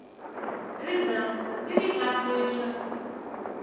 Рвезат, пӧръеҥат лийже.